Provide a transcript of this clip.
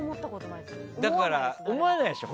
だから、思わないでしょ？